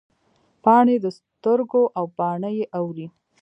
پاڼې د سترګو او باڼه یې اوري